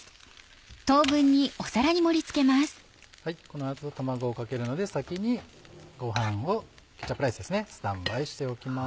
この後卵をかけるので先にケチャップライスですねスタンバイしておきます。